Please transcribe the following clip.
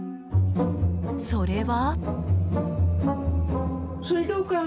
それは。